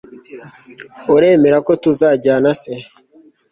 uremera ko tuzajyana, se